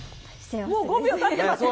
もう５秒たってます！